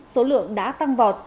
số lượng đã tăng vọt